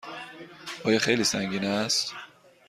آیا خیلی سنگین است؟